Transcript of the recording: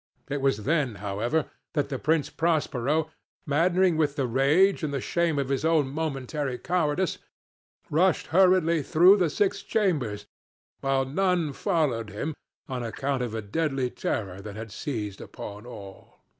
It was then, however, that the Prince Prospero, maddening with rage and the shame of his own momentary cowardice, rushed hurriedly through the six chambers, while none followed him on account of a deadly terror that had seized upon all.